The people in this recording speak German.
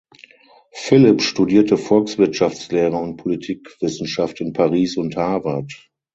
Philipp studierte Volkswirtschaftslehre und Politikwissenschaft in Paris und Harvard.